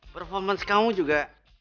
performance kamu juga